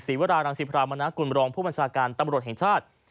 วรารังสิพรามนากุลบรองผู้บัญชาการตำรวจแห่งชาติ